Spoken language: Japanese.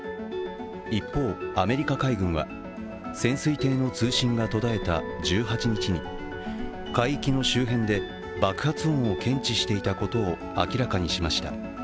一方、アメリカ海軍は潜水艇の通信が途絶えた１８日に、海域の周辺で爆発音を検知していたことを明らかにしました。